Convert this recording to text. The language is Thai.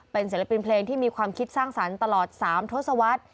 เป็นศิลปินเพลงที่มีความคิดสร้างสรรค์ตลอด๓ทศวรรษ